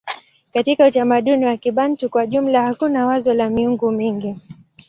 Katika utamaduni wa Kibantu kwa jumla hakuna wazo la miungu mingi.